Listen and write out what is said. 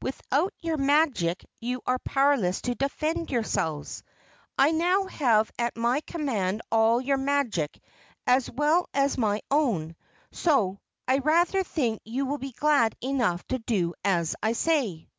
Without your magic you are powerless to defend yourselves. I now have at my command all of your magic as well as my own. So, I rather think you will be glad enough to do as I say."